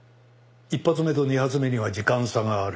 １発目と２発目には時間差がある。